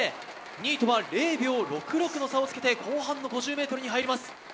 ２位とは０秒６６の差をつけて後半の５０ｍに入ります。